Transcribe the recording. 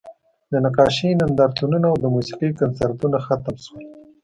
د نقاشۍ نندارتونونه او د موسیقۍ کنسرتونه ختم شول